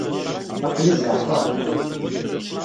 Aql-i zeεfeɣ.